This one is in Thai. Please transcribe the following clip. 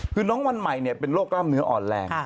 คือน้องวันใหม่เป็นโรคกล้ามเนื้ออ่อนแรง